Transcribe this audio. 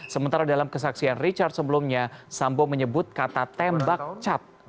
sementara dalam kesaksian richard sebelumnya sambo menyebut kata tembak cat